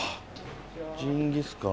ジンギスカン？